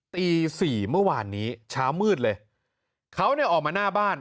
ตี๔เมื่อวานนี้ช้ามืดเลยเขาออกมาหน้าบ้าน